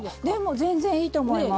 全然いいと思います。